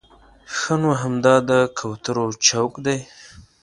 ښه نو همدا د کوترو چوک دی.